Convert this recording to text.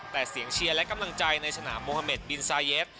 แต่เสียงเชียร์และกำลังใจในสนามโมฮาเมดบินซาเยฟ